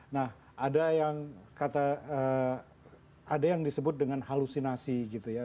nah ada yang kata ada yang disebut dengan halusinasi gitu ya